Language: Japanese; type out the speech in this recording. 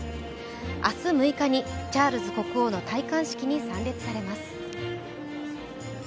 明日６日にチャールズ国王の戴冠式に参列されます。